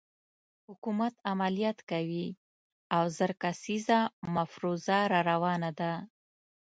حکومت عملیات کوي او زر کسیزه مفروزه راروانه ده.